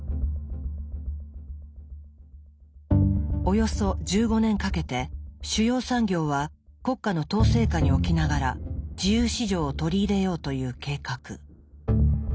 およそ１５年かけて主要産業は国家の統制下に置きながら自由市場を取り入れようという計画。